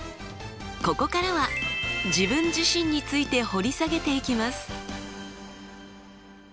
ここからは自分自身について掘り下げていきます。